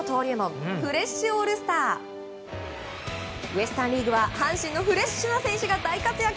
ウエスタン・リーグは阪神のフレッシュな選手が大活躍。